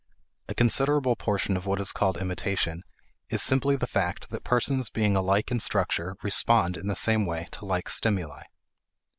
A considerable portion of what is called imitation is simply the fact that persons being alike in structure respond in the same way to like stimuli.